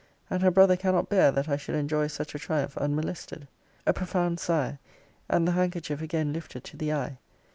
And her brother cannot bear that I should enjoy such a triumph unmolested.' A profound sigh, and the handkerchief again lifted to the eye.